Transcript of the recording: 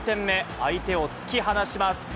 相手を突き放します。